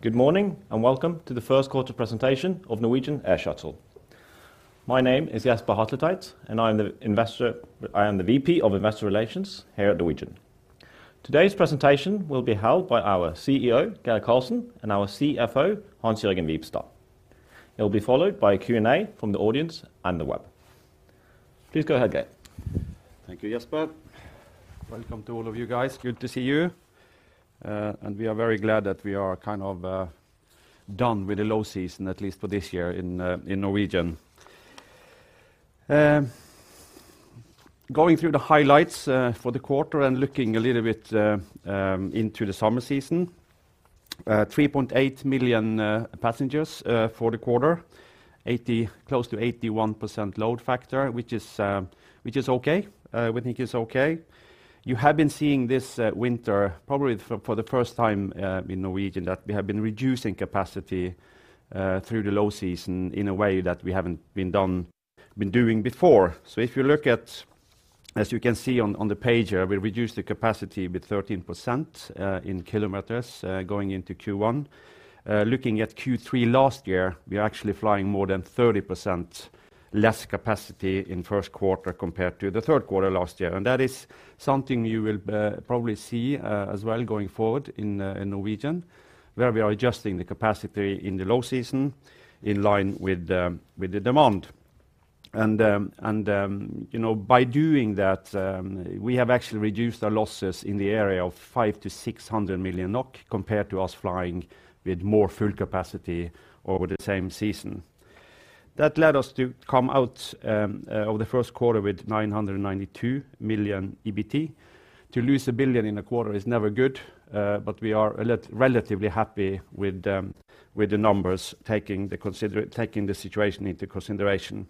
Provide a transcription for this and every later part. Good morning, and welcome to the Q1 presentation of Norwegian Air Shuttle. My name is Jesper Hatletveit, and I am the VP of Investor Relations here at Norwegian. Today's presentation will be held by our CEO, Geir Karlsen, and our CFO, Hans-Jørgen Wibstad. It will be followed by a Q&A from the audience and the web. Please go ahead, Geir. Thank you, Jesper. Welcome to all of you guys. Good to see you. We are very glad that we are kind of done with the low season, at least for this year in Norwegian. Going through the highlights for the quarter and looking a little bit into the summer season, 3.8 million passengers for the quarter, close to 81% load factor, which is okay. We think it's okay. You have been seeing this winter probably for the first time in Norwegian that we have been reducing capacity through the low season in a way that we haven't been doing before. If you look at, as you can see on the page here, we reduced the capacity with 13% in kilometers going into Q1. Looking at Q3 last year, we are actually flying more than 30% less capacity in 1st quarter compared to the 3rd quarter last year. That is something you will probably see as well going forward in Norwegian, where we are adjusting the capacity in the low season in line with the demand. And, you know, by doing that, we have actually reduced our losses in the area of 500 million-600 million NOK compared to us flying with more full capacity over the same season. That led us to come out of the 1st quarter with 992 million EBT. To lose 1 billion in a quarter is never good, but we are relatively happy with the numbers, taking the situation into consideration.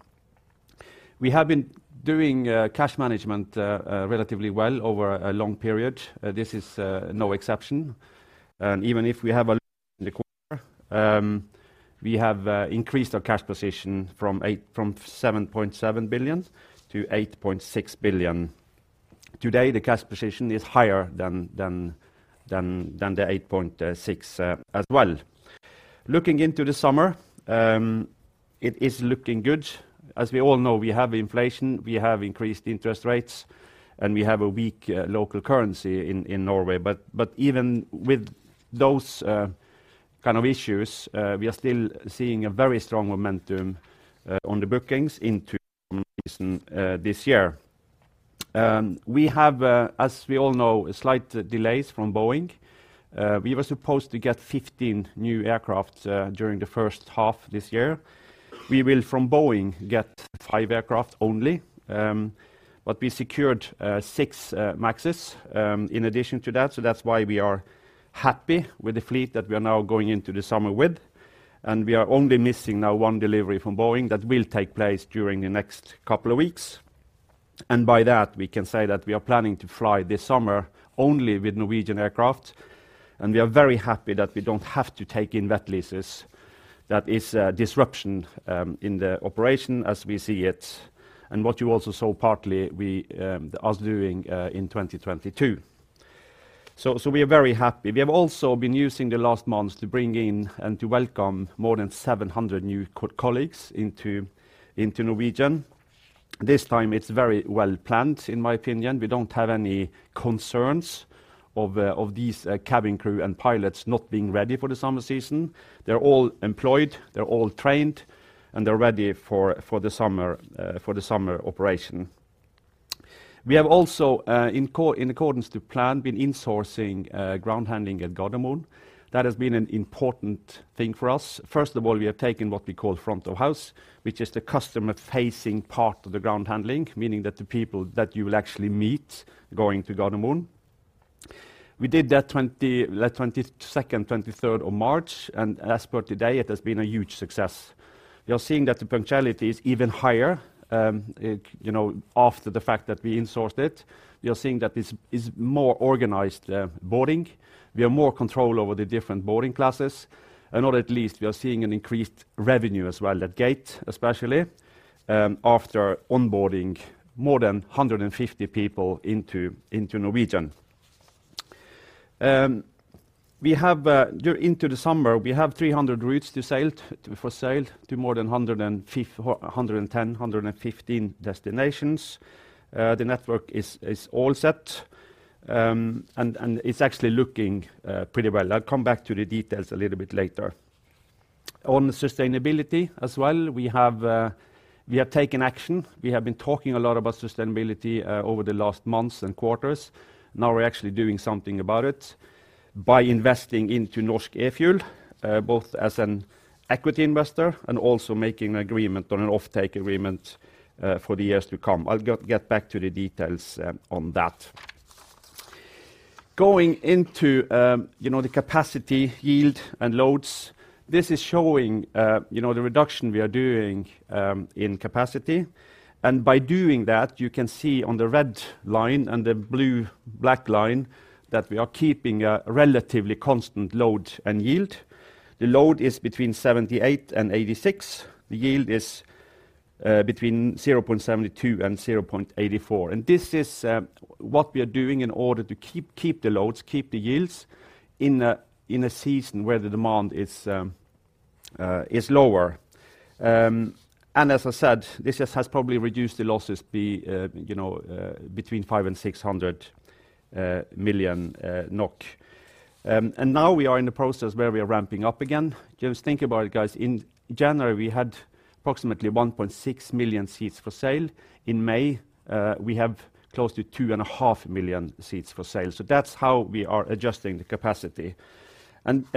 We have been doing cash management relatively well over a long period. This is no exception. Even if we have a loss in the quarter, we have increased our cash position from 7.7 billion to 8.6 billion. Today, the cash position is higher than the 8.6 as well. Looking into the summer, it is looking good. We all know, we have inflation, we have increased interest rates, and we have a weak local currency in Norway. Even with those kind of issues, we are still seeing a very strong momentum on the bookings into summer season this year. We have, as we all know, slight delays from Boeing. We were supposed to get 15 new aircraft during the first half this year. We will, from Boeing, get five aircraft only. We secured six MAXs in addition to that, so that's why we are happy with the fleet that we are now going into the summer with. We are only missing now one delivery from Boeing that will take place during the next couple of weeks. By that, we can say that we are planning to fly this summer only with Norwegian aircrafts. We are very happy that we don't have to take in wet leases. That is disruption in the operation as we see it, what you also saw partly we us doing in 2022. We are very happy. We have also been using the last months to bring in and to welcome more than 700 new co-colleagues into Norwegian. This time it's very well-planned, in my opinion. We don't have any concerns of these cabin crew and pilots not being ready for the summer season. They're all employed, they're all trained, they're ready for the summer operation. We have also in accordance to plan, been insourcing ground handling at Gardermoen. That has been an important thing for us. We have taken what we call front of house, which is the customer-facing part of the ground handling, meaning that the people that you will actually meet going to Gardermoen. We did that 22nd, 23rd of March, as per today, it has been a huge success. We are seeing that the punctuality is even higher, you know, after the fact that we insourced it. We are seeing that this is more organized boarding. We have more control over the different boarding classes. Not at least, we are seeing an increased revenue as well, at gate especially, after onboarding more than 150 people into Norwegian. We have during into the summer, we have 300 routes for sail to more than 110, 115 destinations. The network is all set. It's actually looking pretty well. I'll come back to the details a little bit later. On sustainability as well, we have taken action. We have been talking a lot about sustainability over the last months and quarters. Now we're actually doing something about it by investing into Norsk e-Fuel, both as an equity investor and also making an agreement on an offtake agreement for the years to come. I'll get back to the details on that. Going into, you know, the capacity yield and loads, this is showing, you know, the reduction we are doing in capacity. By doing that, you can see on the red line and the blue-black line that we are keeping a relatively constant load and yield. The load is between 78 and 86. en 0.72 and 0.84. This is what we are doing in order to keep the loads, keep the yields in a season where the demand is lower. As I said, this has probably reduced the losses, you know, between 500 million and 600 million NOK. Now we are in the process where we are ramping up again. Just think about it, guys. In January, we had approximately 1.6 million seats for sale. In May, we have close to 2.5 million seats for sale. That's how we are adjusting the capacity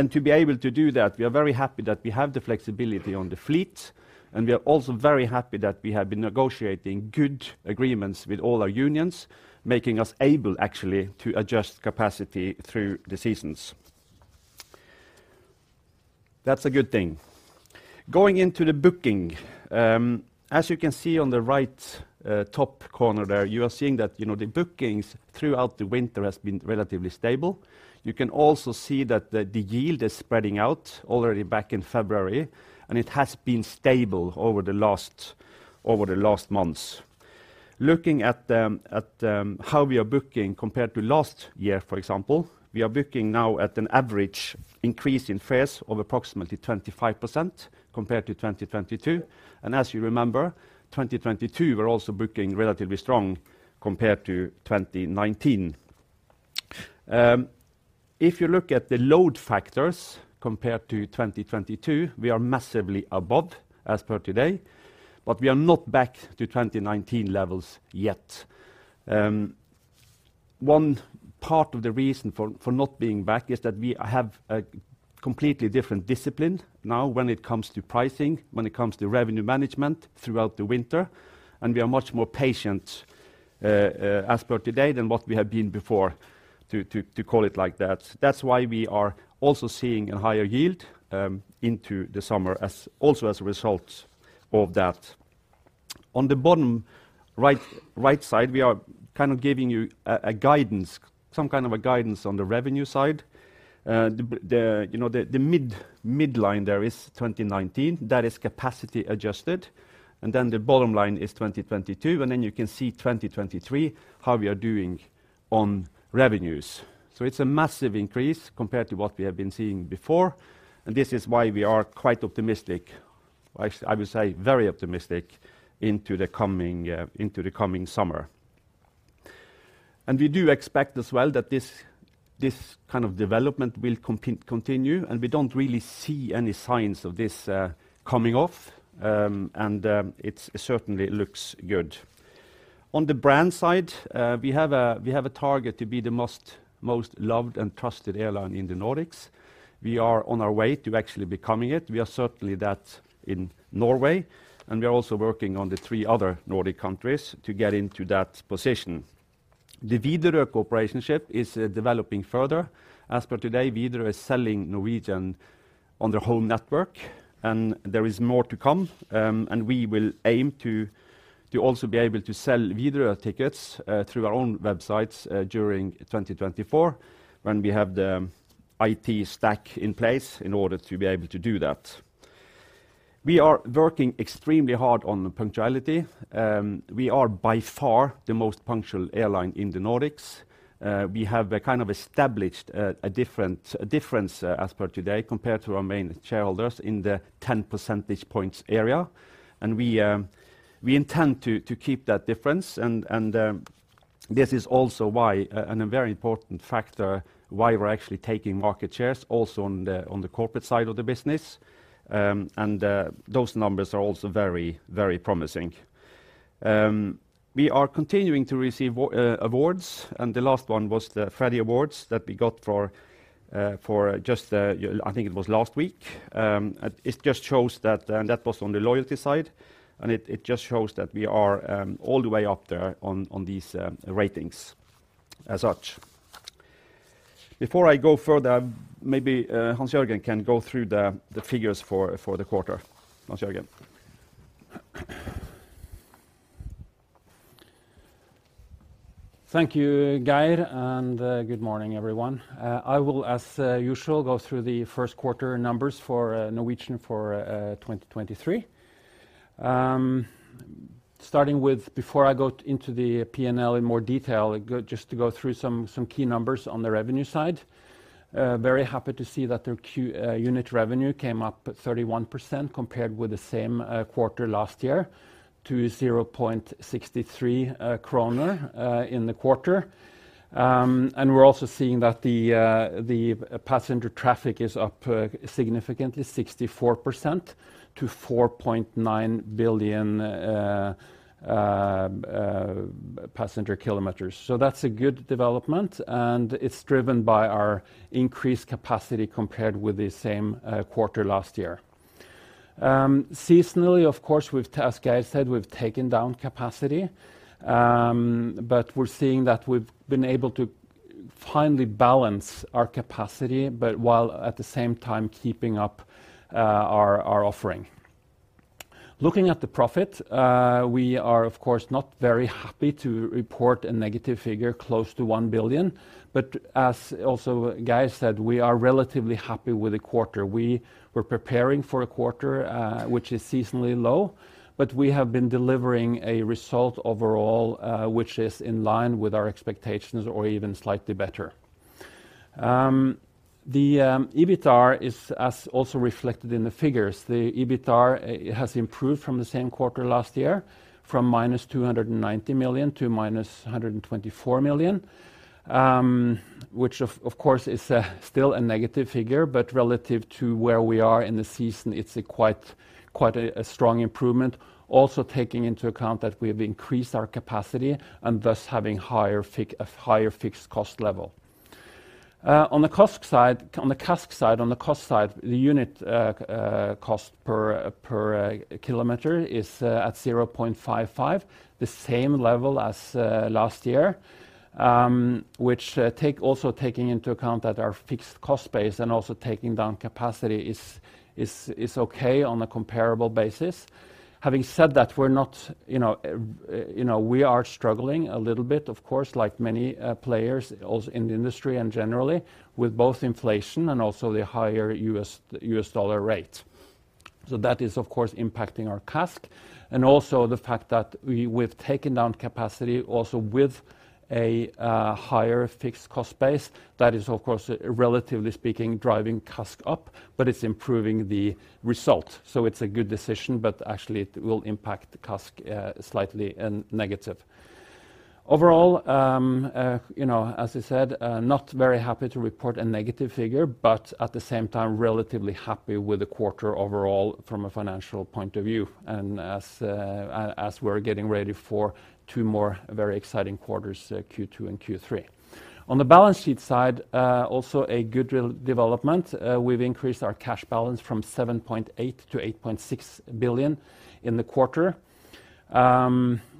To be able to do that, we are very happy that we have the flexibility on the fleet, and we are also very happy that we have been negotiating good agreements with all our unions, making us able actually to adjust capacity through the seasons. That's a good thing. Going into the booking, as you can see on the right, top corner there, you are seeing that, you know, the bookings throughout the winter has been relatively stable. You can also see that the yield is spreading out already back in February, and it has been stable over the last months. Looking at how we are booking compared to last year, for example, we are booking now at an average increase in fares of approximately 25% compared to 2022. As you remember, 2022, we're also booking relatively strong compared to 2019. If you look at the load factors compared to 2022, we are massively above as per today, but we are not back to 2019 levels yet. One part of the reason for not being back is that we have a completely different discipline now when it comes to pricing, when it comes to revenue management throughout the winter, and we are much more patient as per today than what we have been before to call it like that. That's why we are also seeing a higher yield into the summer also as a result of that. On the bottom right side, we are kind of giving you some kind of a guidance on the revenue side. The, you know, the mid-midline there is 2019. That is capacity adjusted. The bottom line is 2022, and then you can see 2023, how we are doing on revenues. It's a massive increase compared to what we have been seeing before, and this is why we are quite optimistic, I would say very optimistic, into the coming, into the coming summer. We do expect as well that this kind of development will continue. We don't really see any signs of this, coming off, and, it certainly looks good. On the brand side, we have a target to be the most loved and trusted airline in the Nordics. We are on our way to actually becoming it. We are certainly that in Norway, and we are also working on the 3 other Nordic countries to get into that position. The Widerøe cooperationship is developing further. As per today, Widerøe is selling Norwegian on their home network, and there is more to come. We will aim to also be able to sell Widerøe tickets through our own websites during 2024 when we have the IT stack in place in order to be able to do that. We are working extremely hard on the punctuality. We are by far the most punctual airline in the Nordics. We have a kind of established a different difference as per today compared to our main shareholders in the 10 percentage points area. We intend to keep that difference. This is also why, and a very important factor why we're actually taking market shares also on the corporate side of the business. Those numbers are also very promising. We are continuing to receive awards, and the last one was the Freddie Awards that we got for just, I think it was last week. It just shows that, and that was on the loyalty side, and it just shows that we are all the way up there on these ratings as such. Before I go further, maybe Hans Jørgen can go through the figures for the quarter. Hans Jørgen? Thank you, Geir. Good morning, everyone. I will, as usual, go through the Q1 numbers for Norwegian for 2023. Starting with before I go into the P&L in more detail, just to go through some key numbers on the revenue side. Very happy to see that their unit revenue came up at 31% compared with the same quarter last year to 0.63 kroner in the quarter. We're also seeing that the passenger traffic is up significantly 64% to 4.9 billion passenger kilometers. That's a good development, and it's driven by our increased capacity compared with the same quarter last year. Seasonally, of course, as Geir said, we've taken down capacity, but we're seeing that we've been able to finally balance our capacity, but while at the same time keeping up, our offering. Looking at the profit, we are of course not very happy to report a negative figure close to 1 billion. As also Geir said, we are relatively happy with the quarter. We were preparing for a quarter, which is seasonally low, but we have been delivering a result overall, which is in line with our expectations or even slightly better. The EBITDAR is as also reflected in the figures. The EBITDAR, it has improved from the same quarter last year, from minus 290 million to minus 124 million, which of course is still a negative figure, but relative to where we are in the season, it's a quite a strong improvement. Also taking into account that we have increased our capacity and thus having a higher fixed cost level. On the CASK side, on the cost side, the unit cost per kilometer is at 0.55, the same level as last year, which also taking into account that our fixed cost base and also taking down capacity is okay on a comparable basis. Having said that, we're not, you know, you know, we are struggling a little bit of course like many players in the industry and generally with both inflation and also the higher US dollar rate. That is of course impacting our CASK, and also the fact that we've taken down capacity also with a higher fixed cost base. That is of course, relatively speaking, driving CASK up, but it's improving the result. It's a good decision, but actually it will impact the CASK slightly and negative. Overall, you know, as I said, not very happy to report a negative figure, but at the same time, relatively happy with the quarter overall from a financial point of view and as we're getting ready for two more very exciting quarters, Q2 and Q3. On the balance sheet side, also a good development. We've increased our cash balance from 7.8 billion to 8.6 billion in the quarter,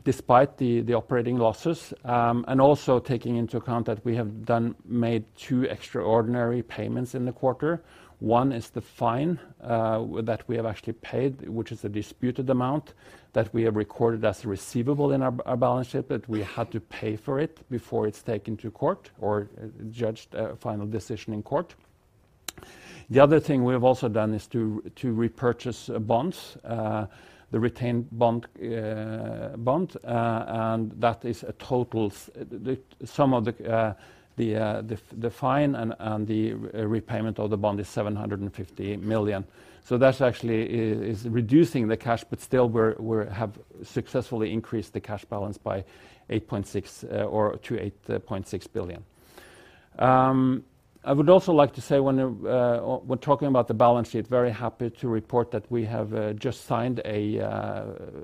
despite the operating losses. Also taking into account that we have made two extraordinary payments in the quarter. One is the fine that we have actually paid, which is a disputed amount that we have recorded as receivable in our balance sheet, but we had to pay for it before it's taken to court or judged, a final decision in court. The other thing we have also done is to repurchase bonds, the Retained Claim Bonds. That is the sum of the fine and the repayment of the bond is 750 million. That actually is reducing the cash, but still we're have successfully increased the cash balance by $8.6, or to $8.6 billion. I would also like to say when talking about the balance sheet, very happy to report that we have just signed a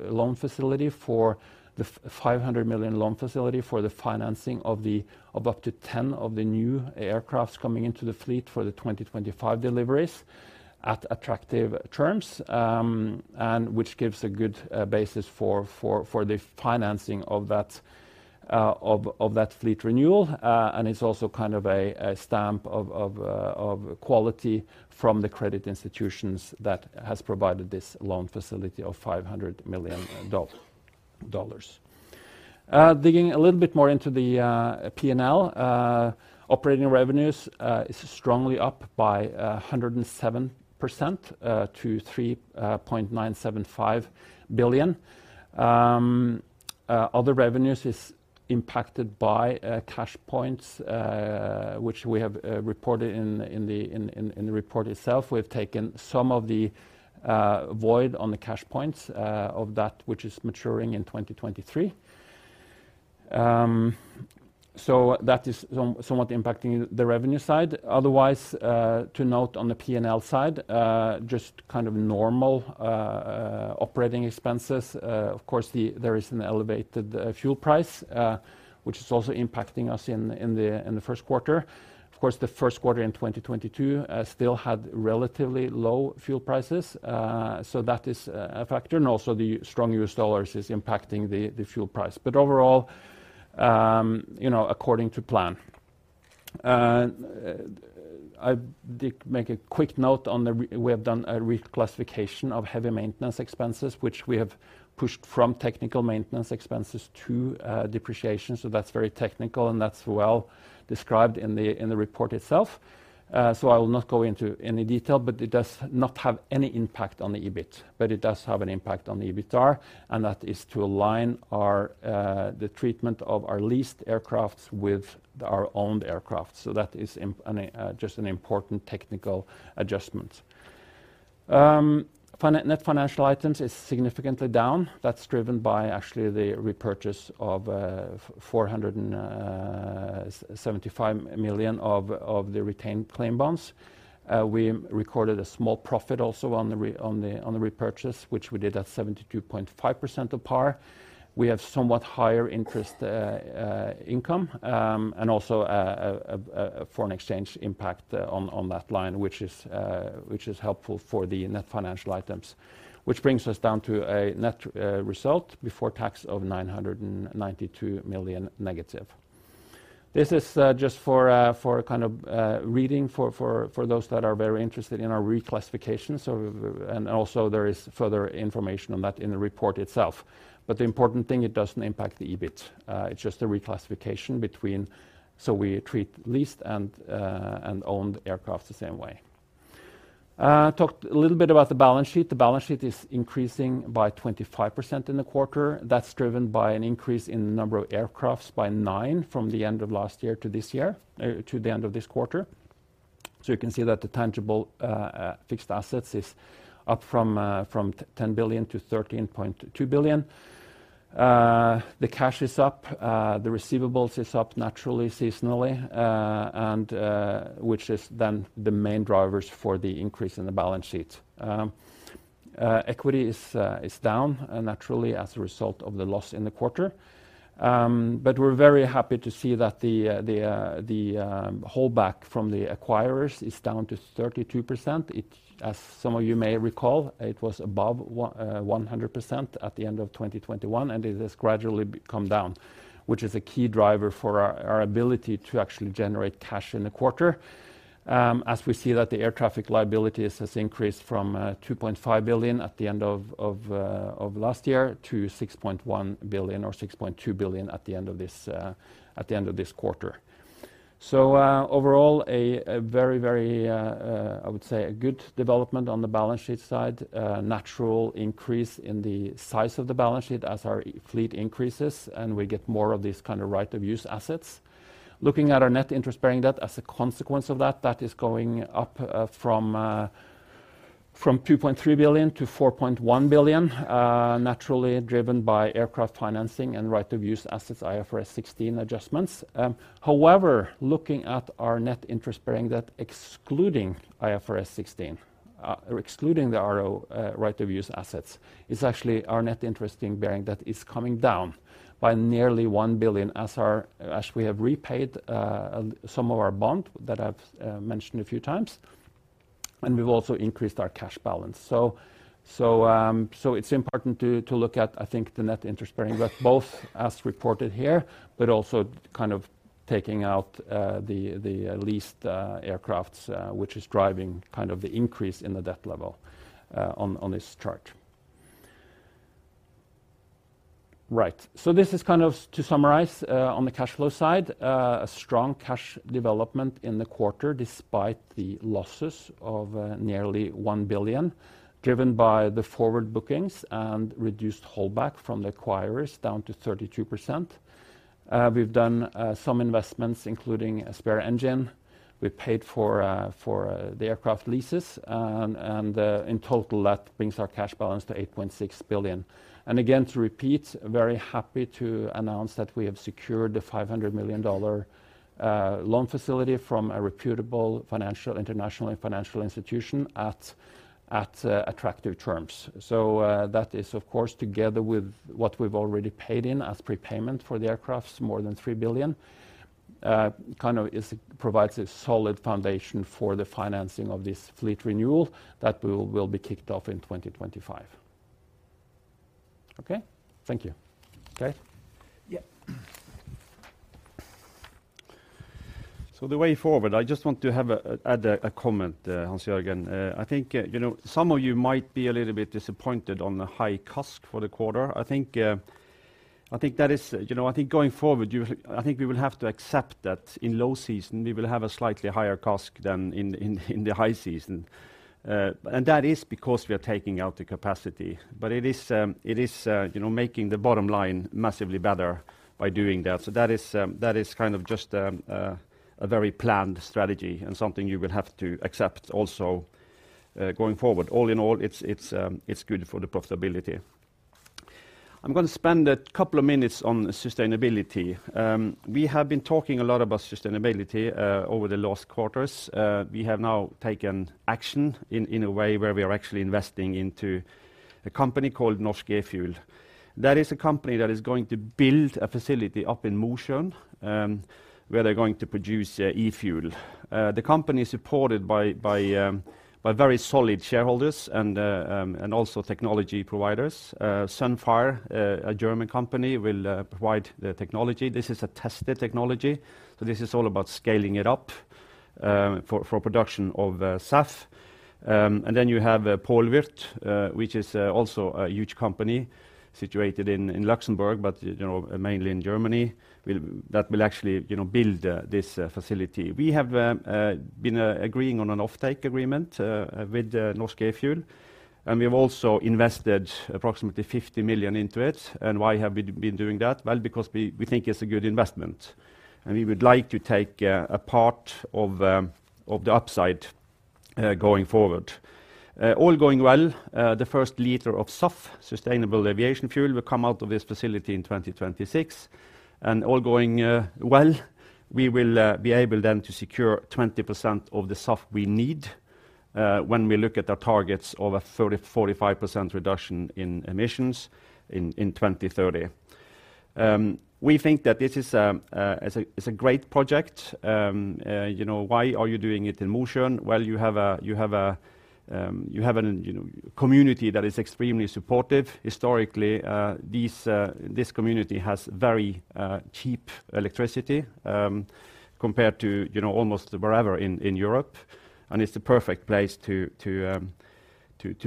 loan facility for the 500 million loan facility for the financing of up to 10 of the new aircrafts coming into the fleet for the 2025 deliveries at attractive terms, and which gives a good basis for the financing of that fleet renewal. It's also kind of a stamp of quality from the credit institutions that has provided this loan facility of $500 million. Digging a little bit more into the P&L, operating revenues is strongly up by 107% to 3.975 billion. Other revenues is impacted by CashPoints, which we have reported in the report itself. We've taken some of the void on the CashPoints of that which is maturing in 2023. That is somewhat impacting the revenue side. Otherwise, to note on the P&L side, just kind of normal operating expenses. Of course there is an elevated fuel price, which is also impacting us in the Q1. Of course, the Q1 in 2022 still had relatively low fuel prices, that is a factor. Also the strong US dollars is impacting the fuel price. Overall, you know, according to plan. I did make a quick note on the we have done a reclassification of heavy maintenance expenses, which we have pushed from technical maintenance expenses to depreciation. That's very technical, and that's well described in the, in the report itself. I will not go into any detail, but it does not have any impact on the EBIT, but it does have an impact on the EBITDAR, and that is to align our the treatment of our leased aircraft with our owned aircraft. That is an just an important technical adjustment. net financial items is significantly down. That's driven by actually the repurchase of 475 million of the Retained Claim Bonds. We recorded a small profit also on the repurchase, which we did at 72.5% of par. We have somewhat higher interest income, and also a foreign exchange impact on that line, which is helpful for the net financial items. Which brings us down to a net result before tax of -992 million. This is just for kind of reading for those that are very interested in our reclassification. There is further information on that in the report itself. The important thing, it doesn't impact the EBIT. It's just a reclassification between, so we treat leased and owned aircraft the same way. Talked a little bit about the balance sheet. The balance sheet is increasing by 25% in the quarter. That's driven by an increase in number of aircrafts by 9 from the end of last year to this year, to the end of this quarter. You can see that the tangible fixed assets is up from 10 billion to 13.2 billion. The cash is up, the receivables is up naturally seasonally, and which is then the main drivers for the increase in the balance sheet. Equity is down naturally as a result of the loss in the quarter. We're very happy to see that the holdback from the acquirers is down to 32%. As some of you may recall, it was above 100% at the end of 2021, and it has gradually come down, which is a key driver for our ability to actually generate cash in the quarter. As we see that the air traffic liability has increased from 2.5 billion at the end of last year to 6.1 billion or 6.2 billion at the end of this quarter. Overall, a very, very, I would say a good development on the balance sheet side, a natural increase in the size of the balance sheet as our e-fleet increases, and we get more of these kind of right of use assets. Looking at our net interest-bearing debt as a consequence of that is going up from 2.3 billion to 4.1 billion, naturally driven by aircraft financing and right of use assets, IFRS 16 adjustments. However, looking at our net interest-bearing debt excluding IFRS 16, or excluding the right of use assets, it's actually our net interest-bearing debt is coming down by nearly 1 billion as we have repaid some of our bond that I've mentioned a few times, and we've also increased our cash balance. It's important to look at, I think, the net interest-bearing debt both as reported here, but also kind of taking out the leased aircrafts, which is driving kind of the increase in the debt level on this chart. Right. This is kind of to summarize on the cash flow side. A strong cash development in the quarter despite the losses of nearly 1 billion, driven by the forward bookings and reduced holdback from the acquirers down to 32%. We've done some investments, including a spare engine. We paid for the aircraft leases, and in total, that brings our cash balance to 8.6 billion. Again, to repeat, very happy to announce that we have secured the $500 million loan facility from a reputable financial, international and financial institution at attractive terms. That is, of course, together with what we've already paid in as prepayment for the aircraft, more than $3 billion provides a solid foundation for the financing of this fleet renewal that will be kicked off in 2025. Okay. Thank you. Okay. Yeah. The way forward, I just want to add a comment, Hans Jørgen. I think, you know, some of you might be a little bit disappointed on the high CASK for the quarter. I think that is, you know, I think going forward, I think we will have to accept that in low season, we will have a slightly higher CASK than in the high season. That is because we are taking out the capacity. It is, it is, you know, making the bottom line massively better by doing that. That is kind of just a very planned strategy and something you will have to accept also going forward. All in all, it's good for the profitability. I'm gonna spend a couple of minutes on sustainability. We have been talking a lot about sustainability over the last quarters. We have now taken action in a way where we are actually investing into a company called Norsk eFuel. That is a company that is going to build a facility up in Mosjøen, where they're going to produce e-fuel. The company is supported by very solid shareholders and also technology providers. Sunfire, a German company, will provide the technology. This is a tested technology, so this is all about scaling it up for production of SAF. Then you have Paul Wurth, which is also a huge company situated in Luxembourg, but you know, mainly in Germany, that will actually, you know, build this facility. We have been agreeing on an offtake agreement with Norsk eFuel, and we have also invested approximately 50 million into it. Why have we been doing that? Well, because we think it's a good investment, we would like to take a part of the upside going forward. All going well, the first liter of SAF, sustainable aviation fuel, will come out of this facility in 2026. All going well, we will be able then to secure 20% of the SAF we need when we look at the targets of a 30%-45% reduction in emissions in 2030. We think that this is a great project. You know, why are you doing it in Mosjøen? Well, you have a, you have an, you know, community that is extremely supportive. Historically, this community has very cheap electricity, compared to, you know, almost wherever in Europe. It's the perfect place to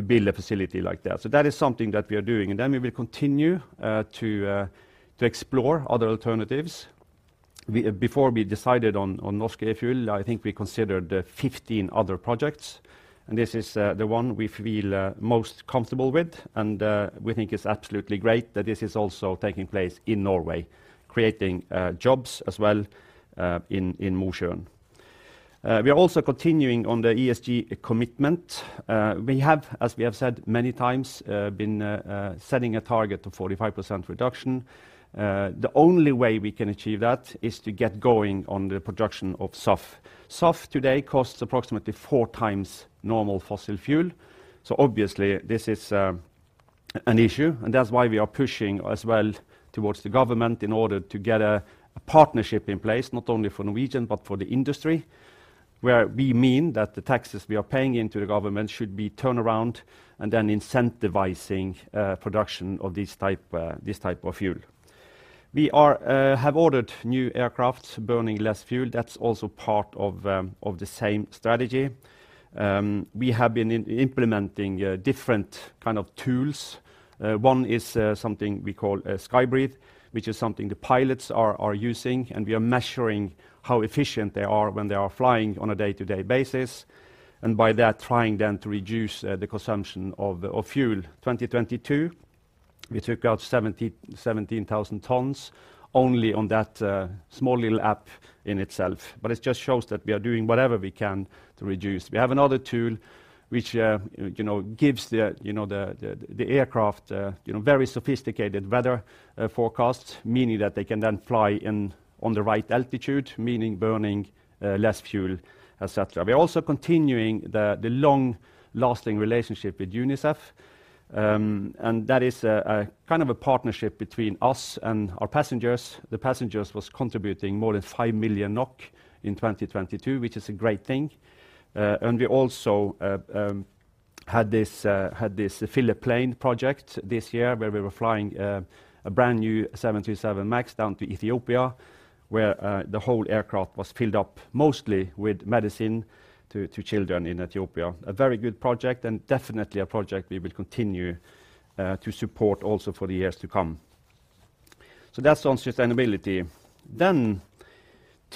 build a facility like that. That is something that we are doing. Then we will continue to explore other alternatives. Before we decided on Norsk e-Fuel, I think we considered 15 other projects. This is the one we feel most comfortable with. We think it's absolutely great that this is also taking place in Norway, creating jobs as well in Mosjøen. We are also continuing on the ESG commitment. We have, as we have said many times, been setting a target of 45% reduction. The only way we can achieve that is to get going on the production of SAF. SAF today costs approximately 4 times normal fossil fuel. Obviously this is an issue, and that's why we are pushing as well towards the government in order to get a partnership in place, not only for Norwegian, but for the industry, where we mean that the taxes we are paying into the government should be turned around and then incentivizing production of this type, this type of fuel. We have ordered new aircraft burning less fuel. That's also part of the same strategy. We have been implementing different kind of tools. One is something we call SkyBreathe, which is something the pilots are using, and we are measuring how efficient they are when they are flying on a day-to-day basis, and by that trying then to reduce the consumption of fuel. 2022, we took out 17,000 tons only on that small little app in itself. It just shows that we are doing whatever we can to reduce. We have another tool which, you know, gives the, you know, the aircraft, you know, very sophisticated weather forecasts, meaning that they can then fly in on the right altitude, meaning burning less fuel, et cetera. We are also continuing the long-lasting relationship with UNICEF. That is a kind of a partnership between us and our passengers. The passengers was contributing more than 5 million NOK in 2022, which is a great thing. We also had this Fill a Plane project this year, where we were flying a brand-new 737 MAX down to Ethiopia, where the whole aircraft was filled up mostly with medicine to children in Ethiopia. A very good project and definitely a project we will continue to support also for the years to come. That's on sustainability.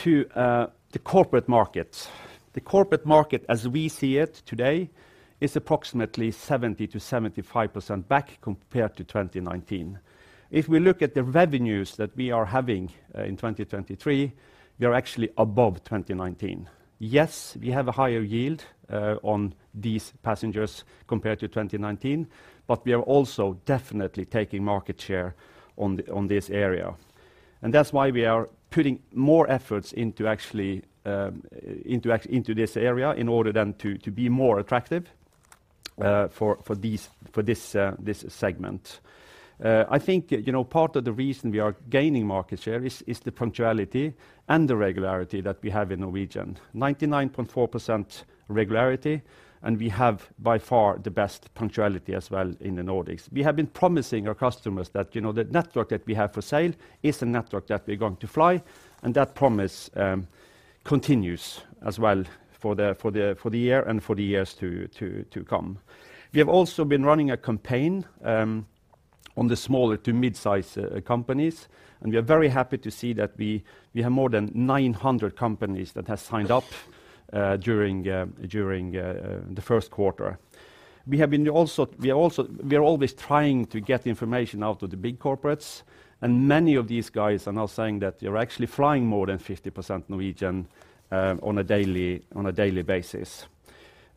To the corporate market. The corporate market, as we see it today, is approximately 70%-75% back compared to 2019. If we look at the revenues that we are having in 2023, we are actually above 2019. We have a higher yield on these passengers compared to 2019, but we are also definitely taking market share on this area. That's why we are putting more efforts into actually into this area in order then to be more attractive for these, for this segment. I think, you know, part of the reason we are gaining market share is the punctuality and the regularity that we have in Norwegian. 99.4% regularity, and we have by far the best punctuality as well in the Nordics. We have been promising our customers that, you know, the network that we have for sale is the network that we're going to fly, and that promise continues as well for the year and for the years to come. We have also been running a campaign on the smaller to mid-size companies. We are very happy to see that we have more than 900 companies that has signed up during the Q1. We are always trying to get information out of the big corporates. Many of these guys are now saying that they're actually flying more than 50% Norwegian on a daily basis.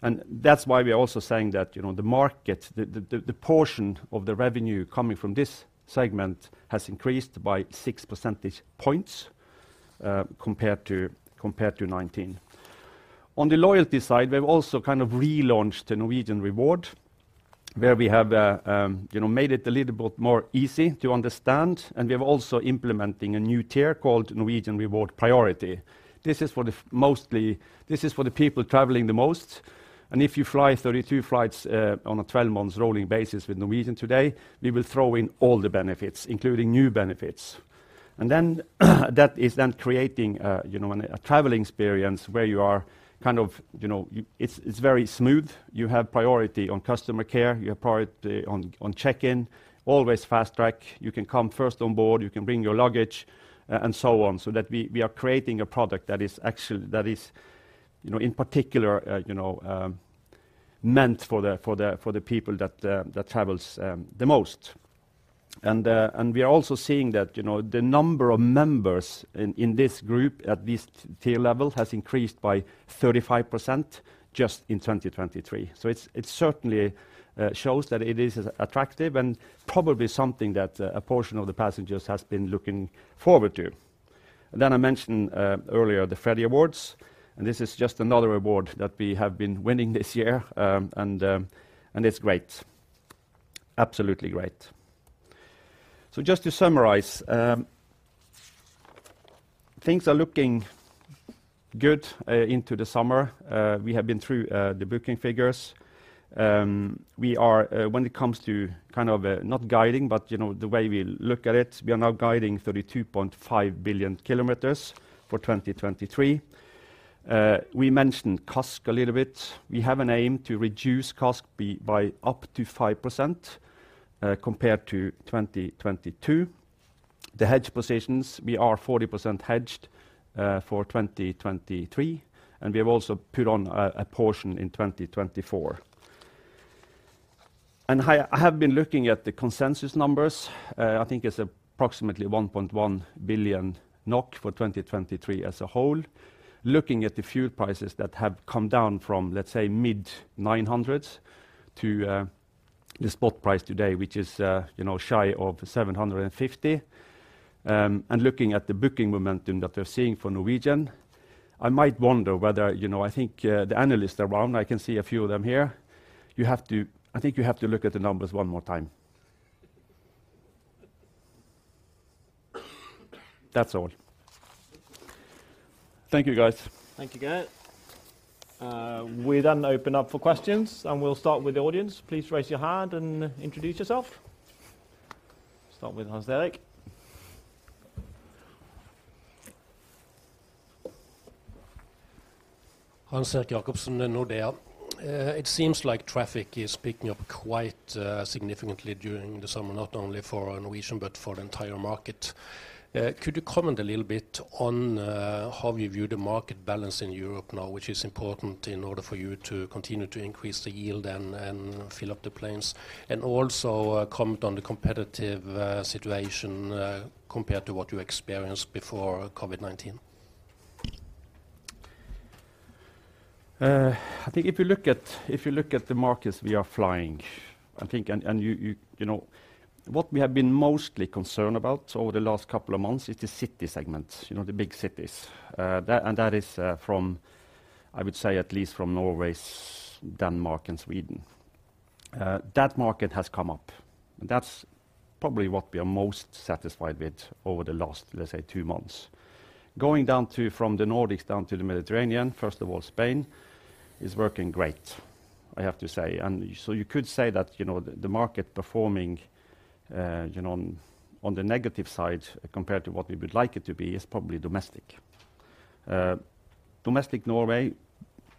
That's why we are also saying that, you know, the market, the portion of the revenue coming from this segment has increased by 6 percentage points compared to 2019. On the loyalty side, we've also kind of relaunched the Norwegian Reward, where we have, you know, made it a little bit more easy to understand, and we are also implementing a new tier called Norwegian Reward Priority. This is mostly, this is for the people traveling the most, and if you fly 32 flights on a 12 months rolling basis with Norwegian today, we will throw in all the benefits, including new benefits. That is then creating, you know, a travel experience where you are kind of, you know, it's very smooth. You have priority on customer care, you have priority on check-in, always fast track, you can come first on board, you can bring your luggage, and so on. That we are creating a product that is actually, you know, in particular, you know, meant for the people that travels the most. We are also seeing that, you know, the number of members in this group at this t-tier level has increased by 35% just in 2023. It certainly shows that it is as attractive and probably something that a portion of the passengers has been looking forward to. I mentioned earlier the Freddie Awards, and this is just another award that we have been winning this year, and it's great. Absolutely great. Just to summarize, things are looking good into the summer. We have been through the booking figures. We are, when it comes to kind of, not guiding, but you know, the way we look at it, we are now guiding 32.5 billion kilometers for 2023. We mentioned CASK a little bit. We have an aim to reduce CASK by up to 5%, compared to 2022. The hedge positions, we are 40% hedged, for 2023, and we have also put on a portion in 2024. I have been looking at the consensus numbers. I think it's approximately 1.1 billion NOK for 2023 as a whole. Looking at the fuel prices that have come down from, let's say, mid-NOK 900s to, the spot price today, which is, you know, shy of 750. Looking at the booking momentum that we're seeing for Norwegian, I might wonder whether, you know, I think the analysts around, I can see a few of them here, I think you have to look at the numbers one more time. That's all. Thank you guys. Thank you, Geir. We then open up for questions. We'll start with the audience. Please raise your hand and introduce yourself. Start with Hans-Erik. Hans-Erik Jacobsen at Nordea. It seems like traffic is picking up quite significantly during the summer, not only for Norwegian, but for the entire market. Could you comment a little bit on how you view the market balance in Europe now, which is important in order for you to continue to increase the yield and fill up the planes? Also, comment on the competitive situation compared to what you experienced before COVID-19. I think if you look at, if you look at the markets we are flying, I think, and you, you know, what we have been mostly concerned about over the last couple of months is the city segments, you know, the big cities. That, and that is, from, I would say, at least from Norway, Denmark and Sweden. That market has come up. That's probably what we are most satisfied with over the last, let's say, two months. Going down to, from the Nordics down to the Mediterranean, first of all, Spain is working great, I have to say. You could say that, you know, the market performing, you know, on the negative side, compared to what we would like it to be, is probably domestic. Domestic Norway,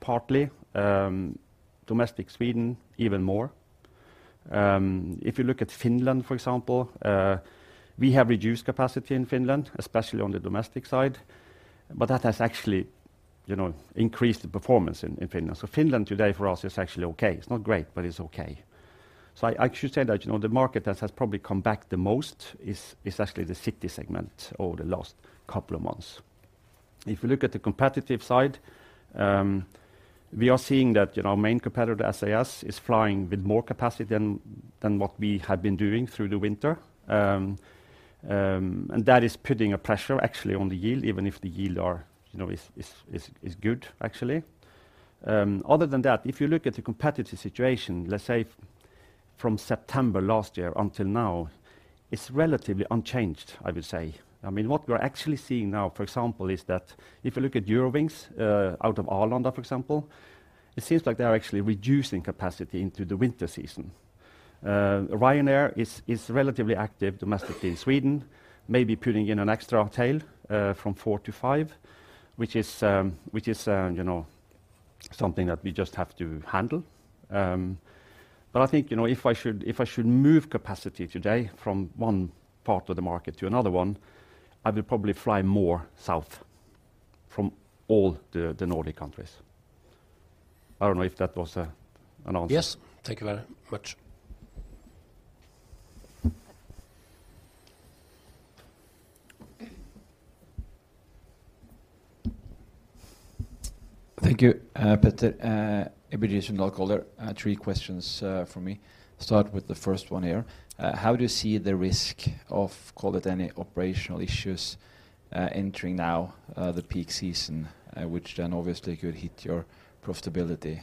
partly. Domestic Sweden, even more. If you look at Finland, for example, we have reduced capacity in Finland, especially on the domestic side. That has actually, you know, increased the performance in Finland. Finland today for us is actually okay. It's not great, but it's okay. I should say that, you know, the market that has probably come back the most is actually the city segment over the last couple of months. If you look at the competitive side, we are seeing that, you know, our main competitor, SAS, is flying with more capacity than what we have been doing through the winter. That is putting a pressure actually on the yield, even if the yield are, you know, is good, actually. Other than that, if you look at the competitive situation, let's say from September last year until now, it's relatively unchanged, I would say. I mean, what we're actually seeing now, for example, is that if you look at Eurowings out of Arlanda, for example, it seems like they are actually reducing capacity into the winter season. Ryanair is relatively active domestically in Sweden, maybe putting in an extra tail from four to five, which is, you know, something that we just have to handle. I think, you know, if I should move capacity today from one part of the market to another one, I will probably fly more south from all the Nordic countries. I don't know if that was an answer. Yes. Thank you very much. Thank you, Jesper. It Christian Nordby. Three questions from me. Start with the first one here. How do you see the risk of, call it, any operational issues entering now the peak season, which then obviously could hit your profitability?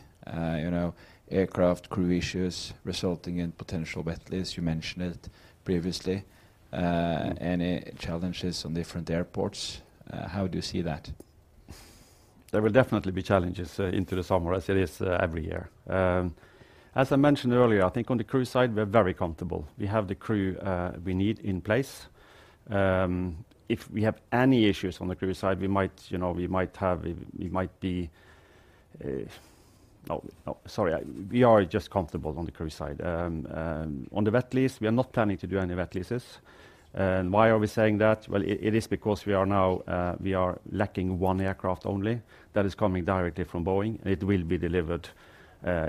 You know, aircraft crew issues resulting in potential wet lease, you mentioned it previously. Any challenges on different airports? How do you see that? There will definitely be challenges into the summer, as it is every year. As I mentioned earlier, I think on the crew side, we're very comfortable. We have the crew we need in place. If we have any issues on the crew side, Oh, sorry, I, we are just comfortable on the crew side. On the wet lease, we are not planning to do any wet leases. Why are we saying that? Well, it is because we are now, we are lacking one aircraft only that is coming directly from Boeing. It will be delivered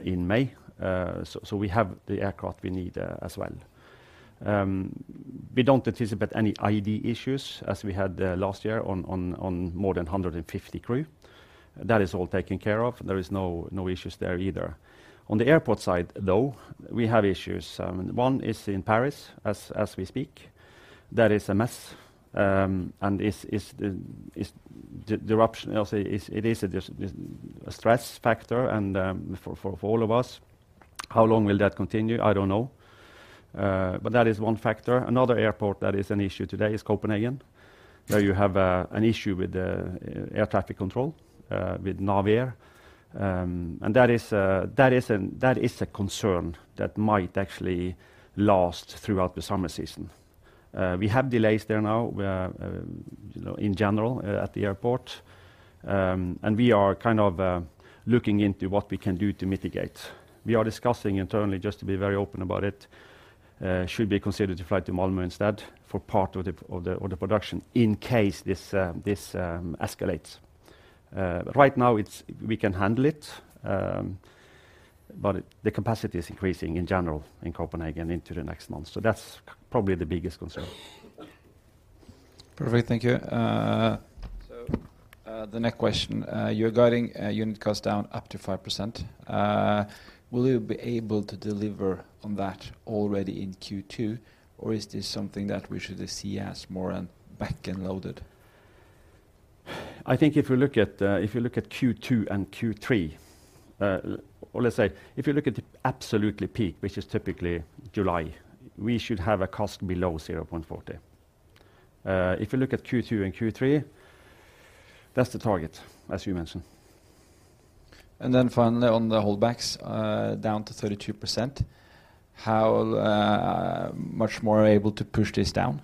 in May. We have the aircraft we need as well. We don't anticipate any ID issues as we had last year on more than 150 crew. That is all taken care of. There is no issues there either. On the airport side, though, we have issues. One is in Paris as we speak. That is a mess, and is the eruption, I'll say is a stress factor and for all of us. How long will that continue? I don't know. That is one factor. Another airport that is an issue today is Copenhagen, where you have an issue with the air traffic control with Naviair. And that is a concern that might actually last throughout the summer season. We have delays there now, you know, in general at the airport. We are kind of looking into what we can do to mitigate. We are discussing internally, just to be very open about it, should we consider to fly to Malmö instead for part of the production in case this escalates. Right now, we can handle it, but the capacity is increasing in general in Copenhagen into the next month. That's probably the biggest concern. Perfect. Thank you. The next question. You're guiding unit cost down up to 5%. Will you be able to deliver on that already in Q2, or is this something that we should see as more back-ended loaded? I think if you look at, if you look at Q2 and Q3, or let's say if you look at the absolutely peak, which is typically July, we should have a cost below 0.40. If you look at Q2 and Q3, that's the target, as you mentioned. Finally on the holdbacks, down to 32%, how much more are you able to push this down?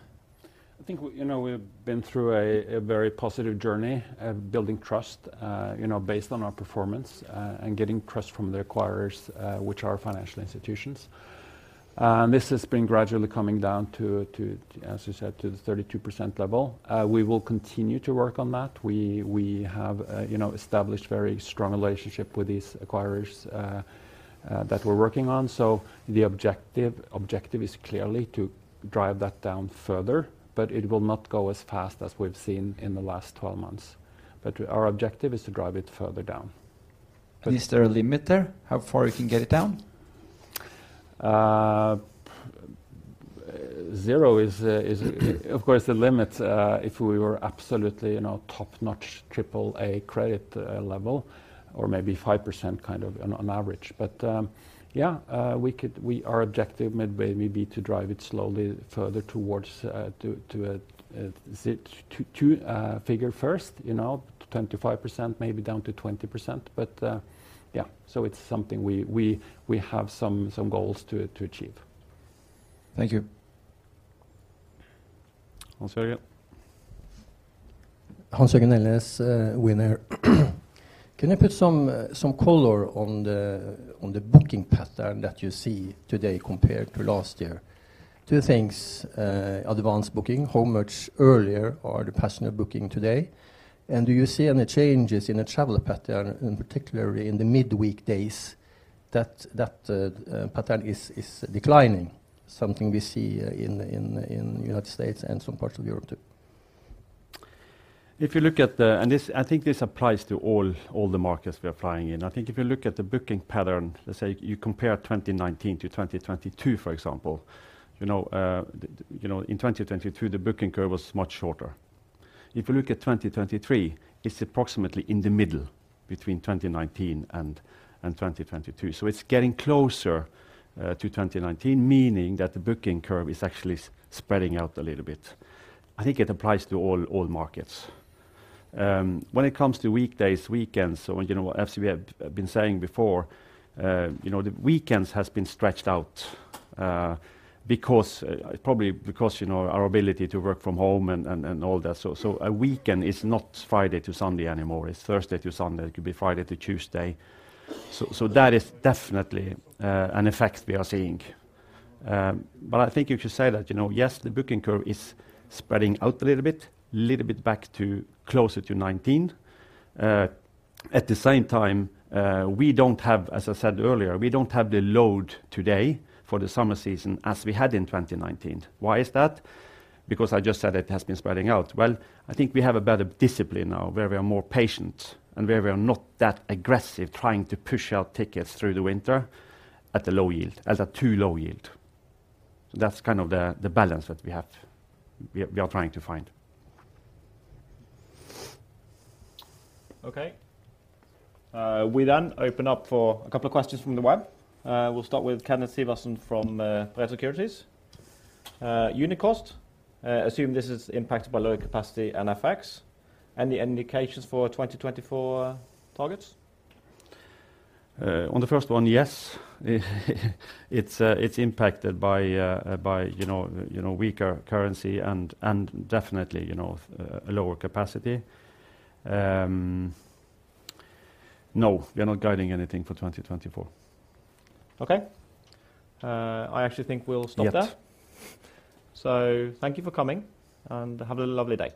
I think we. You know, we've been through a very positive journey of building trust, you know, based on our performance, and getting trust from the acquirers, which are financial institutions. This has been gradually coming down to, as you said, to the 32% level. We will continue to work on that. We have, you know, established very strong relationship with these acquirers that we're working on. The objective is clearly to drive that down further, but it will not go as fast as we've seen in the last 12 months. Our objective is to drive it further down. Is there a limit there, how far you can get it down? Zero is of course the limit. If we were absolutely, you know, top-notch triple-A credit level or maybe 5% kind of on average. Yeah, we could. Our objective may be to drive it slowly further towards a 2 figure first, you know, to 25%, maybe down to 20%. Yeah. It's something we have some goals to achieve. Thank you. Hans-Jørgen. Hans Jørgen Elnæs, Winair. Can you put some color on the booking pattern that you see today compared to last year? 2 things. Advanced booking, how much earlier are the passenger booking today? Do you see any changes in the travel pattern, and particularly in the mid-weekdays that pattern is declining? Something we see, in United States and some parts of Europe too. If you look at the. I think this applies to all the markets we are flying in. I think if you look at the booking pattern, let's say you compare 2019 to 2022, for example, you know, in 2022, the booking curve was much shorter. If you look at 2023, it's approximately in the middle between 2019 and 2022. it's getting closer to 2019, meaning that the booking curve is actually spreading out a little bit. I think it applies to all markets. When it comes to weekdays, weekends or when, you know, as we have been saying before, you know, the weekends has been stretched out because probably because, you know, our ability to work from home and all that. a weekend is not Friday to Sunday anymore. It's Thursday to Sunday. It could be Friday to Tuesday. That is definitely an effect we are seeing. I think you should say that, you know, yes, the booking curve is spreading out a little bit back to closer to 2019. At the same time, we don't have, as I said earlier, we don't have the load today for the summer season as we had in 2019. Why is that? Because I just said it has been spreading out. I think we have a better discipline now where we are more patient and where we are not that aggressive trying to push out tickets through the winter at a low yield, as a too low yield. That's kind of the balance that we have, we are trying to find. Okay. We open up for a couple of questions from the web. We'll start with Kenneth Sivertsen from Pareto Securities. Unit cost, assume this is impacted by lower capacity and FX. Any indications for 2024 targets? On the first one, yes. It's impacted by, you know, you know, weaker currency and definitely, you know, a lower capacity. No, we are not guiding anything for 2024. Okay. I actually think we'll stop there. Yes. Thank you for coming, and have a lovely day.